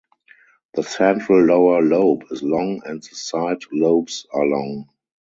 The central lower lobe is long and the side lobes are long.